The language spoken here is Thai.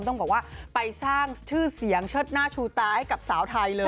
ต้องบอกว่าไปสร้างชื่อเสียงเชิดหน้าชูตาให้กับสาวไทยเลย